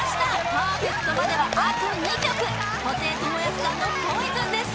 パーフェクトまではあと２曲布袋寅泰さんの「ＰＯＩＳＯＮ」です